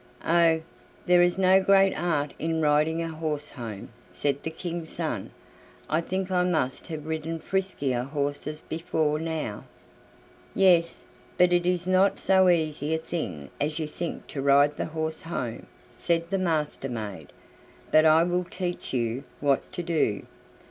"Oh! there is no great art in riding a horse home," said the King's son. "I think I must have ridden friskier horses before now." "Yes, but it is not so easy a thing as you think to ride the horse home," said the Master maid; "but I will teach you what to do.